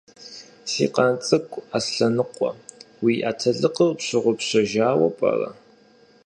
Си къан цӀыкӀу Аслъэныкъуэ! Уи атэлыкъыр пщыгъупщэжауэ пӀэрэ?